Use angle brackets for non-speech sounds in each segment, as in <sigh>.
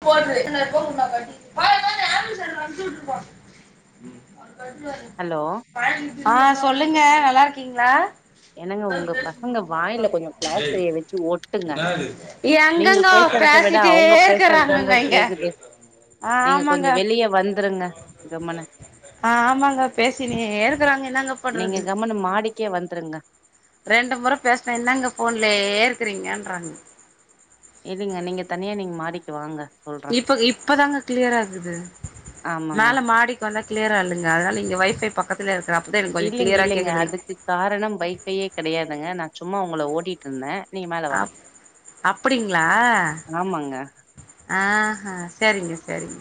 <unintelligible> Hello ஆஹ் சொல்லு கீங்க நல்லாருக்கீங்களா எனங்க உங்க பசங்க வாயில கொஞ்ச பிளாஸ்திரிய வச்சு ஒட்டுங்க நீங்க பேசுறத விட அவங்க பேச இருக்ராங்கங்க இங்க நீங்க ஆமங்க கொஞ்சோ வெளிய வந்துருங்க கம்முனு ஆமாங்க பேசினேருக்காங்க என்னங்க நீங்க பன்றது கம்முனு மாடிக்கே வந்துருங்க ரெண்டு முறை பேஸ்னே என்னாங்க போன்லயே இருக்குறீங்கன்றாங்க இருங்க நீங்க தனியா நீங்க மாடிக்கு வாங்க சொல்ற இப்ப இப்பதாங்க கிளியராகுது ஆமாங்க மேல மாடிக்கு வந்தா கிளியரா இல்லங்க அதுனால இங்க வைஃபை பக்கத்துல இருக்கறா இல்லிங் இல்லிங்க அதுக்கு காரணம் வைஃபையே கெடையாதுங்க நா சும்மா உங்கள ஓட்டிட்ருந்தேன் அப் அப்டிங்களா ஆமாங்க ஆஹ் ஹா சரிங்க சரிங்க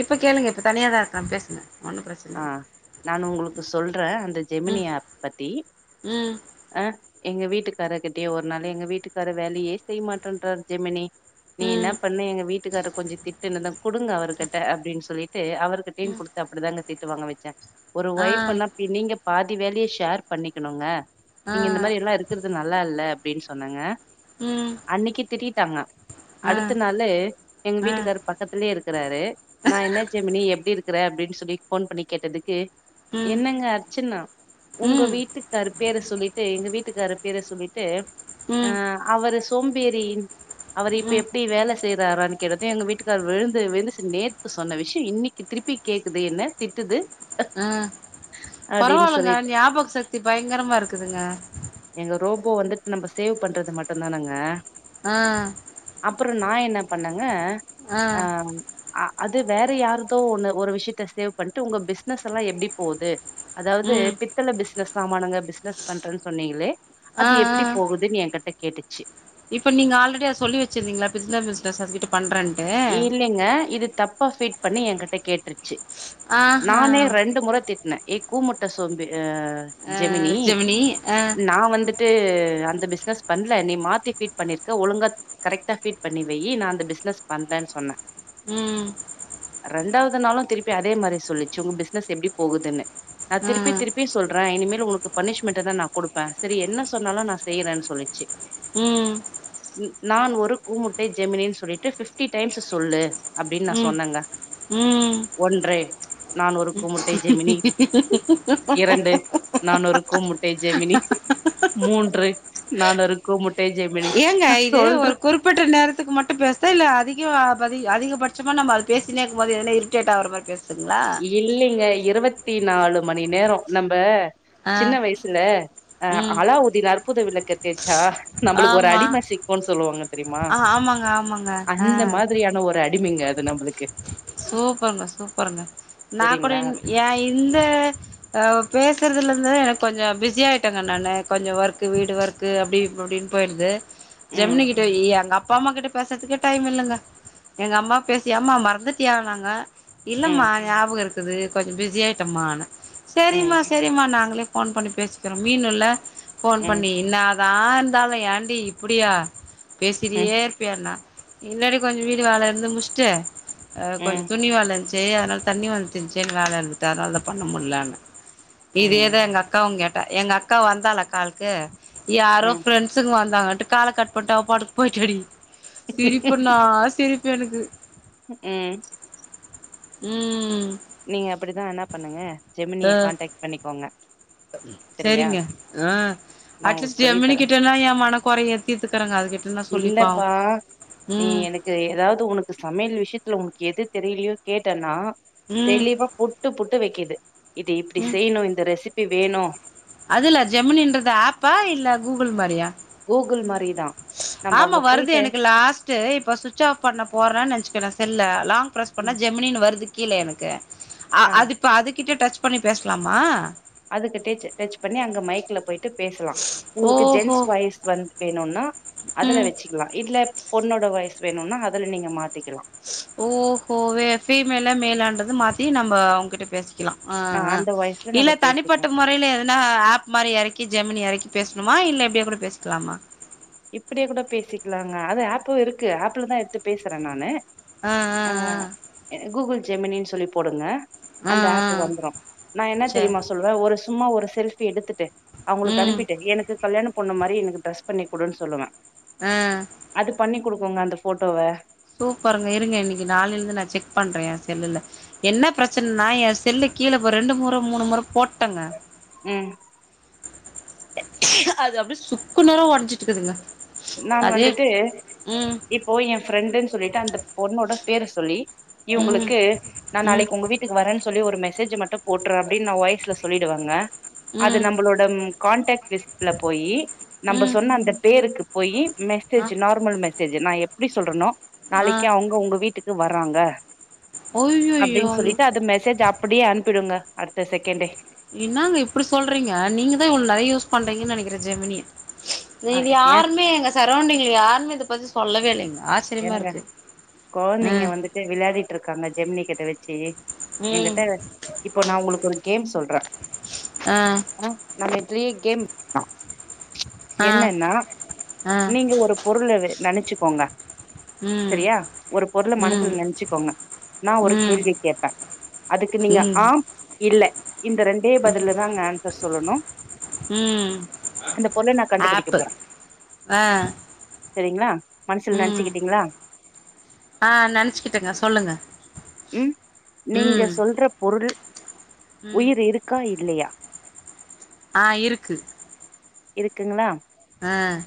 இப்ப கேளுங்க இப்ப தனியாதான் இருக்கறேன் பேசுங்க ஒன்னு பிரச்சன ஆஹ் இல்ல நான் உங்குளுக்கு சொல்றேன் அந்த ஜெமினி ம் ஆப் பத்தி ம் அஹ் எங்க வீட்டுக்காரர்கிட்டேயே ஒரு நாளு எங்க வீட்டுக்காரு வேலையே செய்ய மாட்டேன்றார் ஜெமினி நீ என்ன ம் பண்ணு எங்க வீட்டுக்கார கொஞ்ச திட்டுனது குடுங்க அவர்கிட்ட அப்டின்னு சொல்லி தே அவருக்கு டிம் ம் கொடுத்து அப்படிதாங்க தெ ட்டு வாங்க வச்சேன் ஒரு ஆ ஒயஃபுன்னா பி நீங்க பாதி வேலைய ஷேர் பண்ணிக்குணுங்க ஆ நீங்க இந்த மாரி ல்லாம் இருக்குறது நல்லால்ல ப்டின்னு சொன்னங்க ம் அன்னைக்கு திட்டிட்டாங்க ஆ அடுத் ஆ க்குற அப்டின்னு சொல்லி போன் பண்ணி கேட்டதுக்கு ம் என்னங்க அர்ச்சனா உங்க ம் வீட்டு கருப்பேர சொல்லிட்டு எங்க வீட் வீட்டுக்கார பேரை சொல்லிட்டு அ ம் அவரு சோம் சேரின் அவர் இப்ப ம் எப்படி வேலை செய்யறாரா கிட்டத்தட்ட எங்க வீட்டுக்கார் விழுந்து விழுந்து நேத்து சொன்ன விஷயம் இன்னைக்கு திருப்பி கேக்குது என்ன திட்டுது ம் அப்டின்னு பரவாயில்லைங்க சொல்லிட்டு ஞாபக சக்தி பயங்கரமா இருக்குதுங்க எங்க ரோபோ வந்துட்டு நம்ம சேவ் பண்றது மட்டும் தானேங்க ஆ அப்புற நா என்ன பண்ணேங்க ஆ அ அ அது வேற யாருதோ ஒன்னு ஒரு விஷயத்த சேவ் பண்ணிட்டு உங்க பிசினஸ் எல்லாம் எப்படி போகுது அதாவது ம் பித்தள பிசினஸ் சாமானங்க பிசினஸ் பண்றேன் சொன்னீங்களே ஆ அது ஆ எப்படி போகுதுன்னு என் கிட்ட கேட்டுச்சு இப்ப நீங்க ஆல்ரெடி அத சொல்லி வச்சிருந்தீங்கில பிஸ்த பிஸ்னஸ் அது கிட்ட இல்லைங்க இது தப்பா ஃபீட் பண்ணி என்கிட்ட கேட்டுருச்சு ஆஹா நானே ரெண்டு முறை திட்டினே கூமுட்ட சோம்பி ஆ ஆ ஜெமினி ஆ நா வந்து ட்டு அந்த பிசினஸ் பண்ணல நீ மாத்தி பீ்ட் பண்ணிருக்க ஒழுங்கா கரெக்டா பீட் பண்ணி வெயி நான் அந்த பிசினஸ் வந்தேன்னு சொன்ன ம் ரெண்டாவது நாளும் திருப்பி அதே மாரி சொல்லிச்சு உங்க பிசினஸ் எப்படி போகுதுன்னு நான் ஆ திருப்பி திருப்பி சொல் ண்ற இனிமேல் உனக்கு பனிஷமெண்ட்தா கொடுப்பே சரி என்ன சொன்னாலு நா செய்றே சொல்லிச்சு ம் நான் ஒரு கூமுட்டை ஜெமினி சொல்லிட்டு <unintelligible> பிப்டி டைம்ஸ்ஸ் சொல்லு அப்படின்னு நான் ம் சொன்னேங்க ம் ஒன்றை நாணுரு கோமுட்டை ஜெமினி இரண்டு நானூறு கோமுட்டை ஜெமினி மூன்று நானு இருக்கும் முட் ஏங்க இது ஒரு குறிப்பிட்ட நேரத்துக்கு மட்டும் பேசா இல்ல அதி க ப அதிகபட்சமா நம்ம அது பேசினேக்கு போது என்ன இரிட்டேட் ஆகற மாரி பேச இல்லிங்க இருபத் பத்தி நாலு மணி நேர நம்ப ஆ சின்ன வயசுல அ ம் அலாவுதின் அற்புத விளக் எப்டி இருக் அ நம்மளுக்கு ஒரு ஆமா அடிம சிக்குன் சொல்லுவாங்க தெரியுமா ஆ ஆமாங்க ஆமாங்க ஆ அந்த மாதிரியான ஒரு அட் அடிமங்க அது நம்மளுக்கு சூப்பர் ம சூப் பொருங்க நா கூட சரிங்களா ஏ இந்த அ பேச வக்கிறதுலருந்து எனக்கு கொஞ்ச பிஸியாயிட்டங்க நானு கொஞ்ச ஒர்க்கு வீடு ஒர்க்கு அப்டி அப்டின் போயிடுது ம் ஜெமினி கிட்ட இ அங்க அப்பா அம்மா கிட்ட பேசுறதுக்கே டைம் இல்லங்க எங்க அம்மா பேசிய அம்மா மறந்துட் சுத்தி ஆகலங்க இல்லம்மா ம் ஞாபக இருக் இருது கொஞ்ச பிஸி ஆயிட்டம்மா ந ம் சரிமா சரிமா நாங்களே அ போன் பண்ணி பேசிக்கிறோ மீன் இல்ல போன் ம் பண்ணி இன்ன நா இந்தாலே ஏன்டி இப்புடியா ம் பேசிட்டியே இருப்பியாண்ணா இல்லடி கொஞ்ச வீடு வேலய இருந்து முச்சுட்டு அ கொஞ்ச ம் துணி வேலஞ்ச் சேர அதனால தண்ணி வந்துச்சுன் வேலருந்துச்சு அதனாலத பண்ண முடியல ம் இதேதா எங்கக்காவுங்கேக் எங்க அக்கா வந்தால கால்கு யாரோ ம் ஃப்ரெண்ட்ஸ்ங் வந்து அதட் காள கட் போட்டு அவ பாட்டுக்கு போயிட்டாடி சிரிப்புண்ணா சிரிப் எனக்கு ம் ம் நீங்க அப்டிதா என்ன பண்ணுங்க ஜெமினிய கான்டக்ட் பண்ணிக்கோங்க சரியா செரிங்க ஆ நா அட்லீஸ்ட் உங்களுக்கு சொல்லி ஜமினி தரே கிட்டன்னா எ மன கொறைய தித்துக்குறே அதுட் இல்லப்பா நீ எனக்கு ஏதாவது உனக்கு சமையல் விஷயத்துல உனக்கு எது தெரியலையோ கேட்டேன்னா ம் தெளிவா புட்டு புட் த்து வைக்கிது இது இப்டி செய்யணு இந்த ரெசிபி வேணு அதுல்ல ஜெமினுன்றது ஆப்பா இல்ல கூகுள் மாரியா கூகுள் மாரி ஆமா வருது எனக்கு லாஸ்ட் இப்ப சுவிட்ச் ஆஃப் பண்ண போறேன்னு நினைச்சுக்கே தெர்ல பிரஸ் பண்ண ம் ஜெமினின் வருது கீழ எனக்கு ஆ அது இப்ப அது கிட்ட டச் பண்ணி பேசலாமா அதுக்கு டச் டச் பண்ணி அங்க மைக்ல போயிட்டு பேசலாம் உங்களுக்கு ஓஹோ ஜென்ஸ் வாய்ஸ் வந்து வேணும்னா அதுல ம் வச்சுக்கலா இல்ல பொண்ணோட வயசு வேணுனா அதுல நீங்க மாத் ஓஹோ ஃபிமேலா மேலா அண்டது மாத்தி நம்ம உங்கிட்ட பேசி லாம் ஆ அந்த வாய்ஸ்ல இல்ல நம்ம தனிப்பட்ட பேசிக்கலாம் முறையில எதுனா ஆப் மாரி இறக்கி ஜெமினி இறக்கி பேசணுமா இல்ல எப்படியா கூட பேசலாமா இப்படியே கூட பேசிக்கலாங்க அது ஆப்ப இருக்கு ஆப்ல தான் எடுத்து பேசுறே நானு ஆ ஆ ஆ கூகுள் ஜெமினின்னு சொல்லி போடுங்க ஆ அந்த ஆ ஆப் வந்துரு நான் என்ன சரி தெரியுமா சொல்லுவே ஒரு சும்மா ஒரு செல்ஃபி எடுத்துட்டு அவுங்களுக்கு ம் அனுப்பிட்டு எனக்கு கல்யாணம் பொண்ணு மாரி எனக்கு ட்ரஸ் பண்ணி குடுன்னு சொல்லுவே ஆ அது பண்ணி குடுக்கு ங்க அந்த போட்டோவ சூப்பருங்க இருங்க இன்னைக்கு நாளில இருந்து நான் செக் பண்ற என் செல்லுல என்ன பிரச்சனனா என் செல்லு கீழே இ ரெண்டு முறை மூணு முறை போட்டேங்க ம் அது அப்படி சுக்குநூறா உடஞ்சிட்டு இருக்குதுங்க நான் வந்துட்டு இப்போ என் ஃப்ரெண்டுனு சொல்லி ட்டு அந்த பொண்ணோட பேர் சொல்லி ம் இவங்களுக்கு நான் ம் நாளைக்கு உங்க வீட்டுக்கு வரேன்னு சொல்லி ஒரு மெஸேஜ் மேசேஜ் மட்டு போட்டுறு அப்படினு நா வாய்ஸ்ல சொல்லிடுவங்க அது ம் நம்மளோட கான்டாக்ட் லிஸ்ட்ல போய் நம்ம ம் சொன்ன அந்த பேருக்கு போயி அ மெசேஜ் நார்மல் மெசேஜ் மெசேஜ் நா எப்படி சொல்றோனோ ஆ நாளைக்கு அவுங்க உங்க வீட்டுக்கு து வர்றாங்க அய்யய்யோ அப்டின்னு சொல்லிட்டு அந்த மெசேஜ் அப்படியே அனுப்பிடுங்க அடுத்த செகண்டே என்னாங்க இப்டி சொல்றீங்க நீங்க தா இவ்ளோ நெறைய யூஸ் பண்றீங்கன்னு நெனைக்கிறே ஜெமினிய ஆ இது ஏ யாருமே எங்க சரௌண்டிங்ல யாருமே இது ஃபர்ஸ்ட் சொல்லவே இல்லைங் ஏனுங்க குழந்தைங்க ம் வந்துட்டு விளையாடிட்டு இருக்காங்க ஜெம்னி கேம் இது வெச்சு ம் என்கிட்ட இப்போ நா உங்களுக்கு ஒரு கேம் சொல்ற ஆ ஆஹ் நம்ம த்ரீ கேம் ஆ என்னன்னா ஆ நீங்க ஒரு பொருள நெனச்சு கோங்க ம் சரியா ஒரு பொருள ம் மனசுல நெனைச்சுக்கோங்க நா ஒரு ம் கேள்வி கேப்ப அதுக்கு நீங்க ம் ஆம் இல்ல இந்த ரெண்டே பதில தான்ங்க ஆன்சர் சொல்லணு ம் அந்த பொருள நா கண்டுபிடிக்க ஆப்பு போற ஆ சரிங்ளா மனசில நென உம் ஆஹ் நெனச்சுக்கிட்டங்க சொல்லுங்க உம் நீங்க ம் சொல்ற பொருள் ம் உயிர் இருக்கா இ இல்லையா ஆஹ் இருக்கு இருக்குங்களா ஆஹ்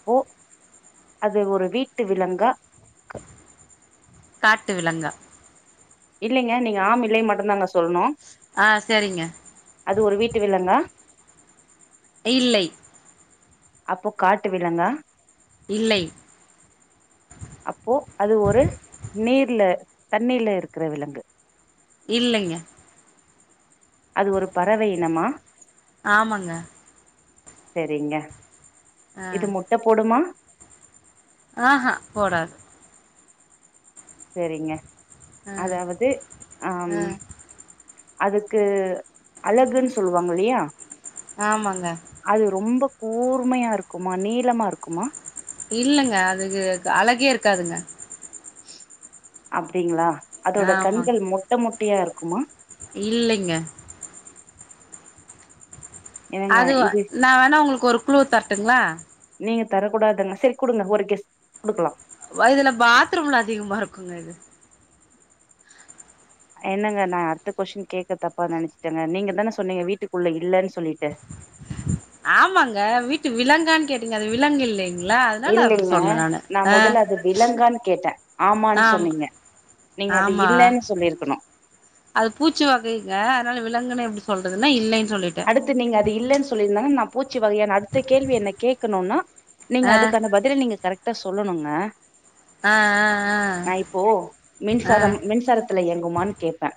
அப்போ அது ஒரு வீட்டு விலங்கா காட்டு விலங்கா இல்லைங்க நீங்க ஆம் இல்லை மட்டும்தாங்க சொல்லணும் ஆ சரிங்க அது ஒரு வீட்டு விலங்கா இல்லை அப்போ காட்டு விலங்கா இல்லை அப்போ அது ஒரு நீர்ல தண்ணில இருக்கிற விலங்கு இல்லைங்க அது ஒரு பறவைையினமா ஆமாங்க செரிங்க ஆ இது முட்ட போடுமா ஆஹ்ஹ் போடாது செரிங்க ஆ அதாவது ஆ ஆஹம் அதுக்கு அழகுன்னு சொல்லுவாங்க இல்லையா ஆமாங்க அது ரொம்ப கூர்மையா இருக்குமா நீளமா இருக்குமா இல்லங்க அதுக்கு அழகே இருக்காதுங்க அப்படிங்களா அதோட ஆமாங்க கண்கள் மொட்ட மொட் குட்டியா இருக்குமா இல்லைங்க என்னங்க அது இது நான் வேணா உங்களுக்கு ஒரு குழு தரட்டுங்களா நீங்க தரக்கூடாதுங்க செரி குடுங்க ஒரு கேஸ் குடுக்கலாம் வயதுல பாத்ரூம்ல அதிகமா இருக்குங்க இது என்னங்க நான் அடுத்த கொஸ்டின் கேக்க தப்பா நினைச்சுட்டேங்க நீங்க தான சொன்னீங்க வீட்டுக்குள்ள இல்லன்னு சொல்லிட்டு ஆமாங்க வீட்டு விலங்கான்னு கேட்டீங்க அது விலங்கு இல்லைங் லங்களா அதுனால அப்படி இல்லைங்க சொன்னேன் நானு நா ஆ மொதல்ல அது விலங்கான்னு கேட்டே ஆமான்னு ஆமா சொன்னீங்க நீங்க அது ஆமா இல்லன்னு சொல்லிருக்கணு அது பூச்சிவகைங்க அதுனால விலங்குனு எப்படி சொல் சொல்றதுன்னா இல்லை அடுத்து நீங்க அது இல்லன்னு சொல்லியிருந்தாங்க நான் பூச்சிவகையான்னு அடுத்த கேள்வி என்ன கேட் இருக்கணும்னா நீங்க ஆ அதுக்கான பதில நீங்க கரெக்ட் கிட்ட சொல்லணுங்க ஆ ஆ நா இப்போ ஆ ஆ மின்சாரம் மின்சாரத்துல இயங்குமான்னு கேட்பேன்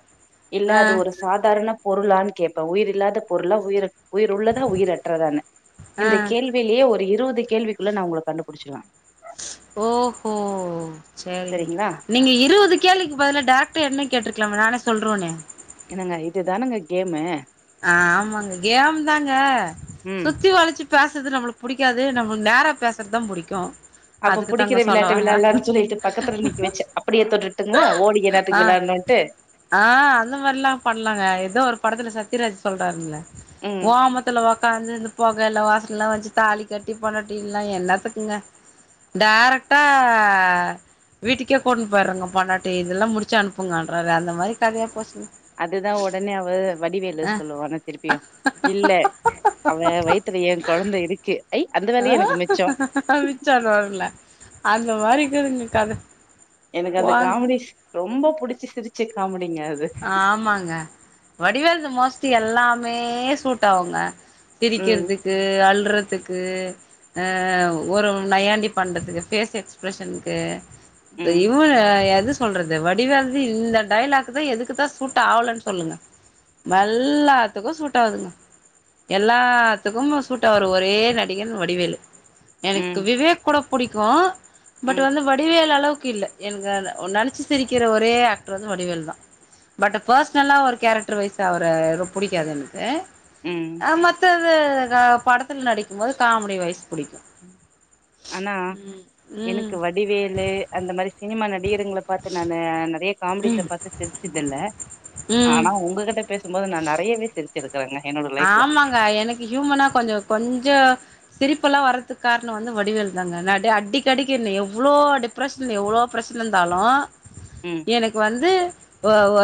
இல்ல ஆ அது ஒரு சாதாரண பொருளான்னு கேட்பேன் உயிர் இல்லாத பொருள்லா உயர் அ உயிர் உள்ளதா உயிர் அற்றதான்னு ஆ இந்த கேள்வியிலேயே ஒரு இருபது இந்த கேள்விக்குள்ள நா உங்கள கண்டுபிடிச்சிருவேன் ஓஹோ சேரிங்க சரிங்களா நீங்க இருவது கேள்விக் பதிலா டேரக்டா என்ன கேட்ருக்லாம்ல நானே சொல்றோனே என்னங்க இதுதானங்க கேமு ஆஹ் ஆமாங்க கேம் தாங்க ம் சுத்தி வளச்சு பேசுறது நம்ளுக்கு புடிக்காது நம்ளுக்கு நேரா பேசுறதுதா புடிக்கும் அப்ப புடிக்கிற விளையாட்டு விளையாட்லான்னு சொல்லிட்டு பக்கத்துல நிக்க வெச்சு அப்டியே தொட்டுட்டுங்களா ஓடி என்னாத்துக்கு ஆ விளையாட்னுட்டு ஆ அந்த சிராஜ் சொல்றாருல்ல ஓமத்துல ஒக்காந்து இந்த பொக எல்லா வாஸ் லாம் வச்சி தாலி கட்டி பொண்டாட்டின்லா என்னாத்துக்குங்க டேரக்டா வீட்டுக்கே கொண் போயர்றானுங்க பொண்டாட்டி இதுல்லா முடிச்சு அனுப்புங்கான்றாரே அந்த மாதிரி கதையா போச்சுங் அதுதா ஒடனே அவ வடிவே இல்ல அ சொல்லுவான திருப்பியும் இல்ல அவ வயித்துல என் கொழந்த இருக்கு ஐ அந்த வேலையே எனக்கு மிச்சோ ஆஹ் மிச்சோனுவான்ல அந்த மாரி இருக்குதுங்க கத எனக்கு அந்த போங்க காமெடிஸ் ரொம்போ புடிச்சு சிரிச்சு காமெடி ஆமாங்க வடிவேல்து மோஸ் லி எல்லாமே சூட்டாவுங்க ம் சிரிக்கிறதுக்கு அளுறதுக்கு கு அ ஒரு நையாண்டி பண்றதுக்கு ஃபேஸ் எக்ஸ்பிரஷன்க்கு து ம் இவன் எ து சொல்றது வடிவேல்து இந்த டையலாக் குதா எதுக்குதா சூட் ஆவலன்னு சொல்லுங்க மெல்லாத்துக்கும் சூட்டாவுதுங்க எல்லாத்துக்கும் சூட்டாகுர ஒரே நடிகன் வடிவேலு எனக்கு ம் விவேக் கூட புடிக்கும் பட் ம் வந்து வடிவேலு அளவுக் கில்ல எனக்கு அத நெனச்சு சிரிக்கிற ஒரே ஆக்டர் வந்து வடிவேல் தா பட்டு பெர்ஸ்னலா ஒரு கேரக்டர் வைஸு அவர ரொ புடிக்காது எனக்கு ம் அ மத்த த்த க படத்துல நடிக்கும்போது காமெடி வைஸ் புடிக்கு ஆனா ம் ம் எனக்கு வடிவேலு அந்த மாரி சினிமா நடி நடிகருங்கல பாத்து நானு நறைய காமெடிஸ் அ ம் பாத்து சிரிச்சதில்ல ம் ஆனா உங்ககிட்ட பேசும்போது நா நறையவே சிரிச்சிருக் ஆமாங்க எனக்கு ஹியூமனா கொஞ்சம் கொஞ்சோ சிரிப்புல்லாம் வறதுக்கு காரணம் வந்து வடிவேல் தாங்க நட அடிக்க அடிக்க என்ன எவ்வளோ டிப்ரெஷன்ல எவ்வளோ பிரச்சனை இருந்தாலும் ம், எனக்கு வந்து ஓ ஓ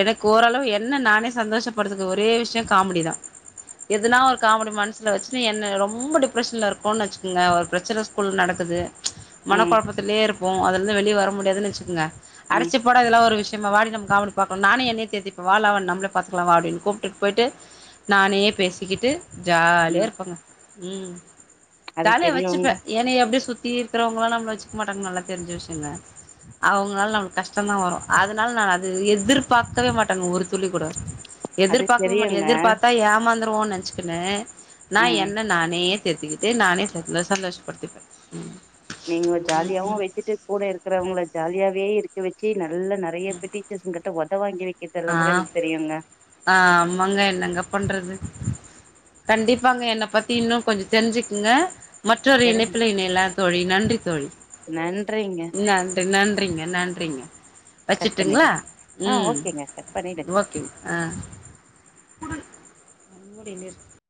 எனக்கு ஓரளவு என்ன நானே சந்தோஷப்படுதக்கு ஒரே விஷ்யோம் காமெடி தான் எதுனா ஒரு காமெடி மனசில வச்சுனு என்ன ரொம்ப டிப்ரெஷன்ல இருக்கோன்னு வச்சுக்கோங்க ஒரு பிரச்சனை ஸ்கூல்ல நடக்குது மன ம், கொழப்பத்திலேயே இருப் போ அதுலருந்து வெளியே வர முடியாதுன்னு வச்சுக்குங்க ம், அடச்சீ போடா இதெல்லாம் ஒரு விஷ் யம்ம வாடி நம்ம காமடி பார்ப்போம் நானே என்னைய தேத்திட்டு இப்ப வாள நம்மளே பாத்துக்கலாம் வா அப்பிடின்னு கூப்பிட்டுட்டு போயிட்டு நானேயே பேசிக்கிட்டு ஜாலியா ம். இருப்போங்க உம் அது தலைய தெரியுங்க. வச்சுப்பேன் ஏன்னா எப்படியு சுத்தி இருக்கிறவங்களாம் நம்மள ச்சிக்க மாட்டாங்கனு நல்லா தெரிஞ்சு விஷ்யோங்க அவங்களால நம்மளுக்கு கஷ்டந்தான் வரும் அதனால நான் அது எதிர்பார்க்கவே மாட்டேங்க ஒரு துளி கூட அது எதிர்பார்க்கவே மாட்டும் தெரியுங்க. எதிர் பாத்தா ஏமாந்துருவோன்னு நினைச்சுக்குனு நான் ம். என்ன நானேயே தேத்துக்கிட்டு நானே <unintelligible> சந்தோஷப்படுத்துப்பேன் உம் நீங்க ஜாலியாவும் வச்சிட்டு கூட இருக்கிறவங்கள ஜாலியாவே இருக் க வச்சு நல்ல நெறைய பேர் டீச்சர்ஸ் உங்கள்ட்ட ஒதவாங்கி வக் ஆஹ் ஆஹ் ஆமாங்க என்னங்க பண்றது கண்டிப்பாங்க என்னப் பத்தி இன்னும் கொஞ்சோ தெரிஞ்சுக்குங்க மற்றொரு சரிங்க. இணைப்பில இணையலாம் தோழி நன்றி தோழி நன்றிங்க. நன்றி நன்றிங்க நன் றிங்க கட் வச்சுரட்டுங்களா பண்ணிடுங்க. ஆ உம் ஓகேங்க. கட் பண்ணிடுங்க. ஓகேங்க ஆஹ் குடு உன்னுடைய நேர்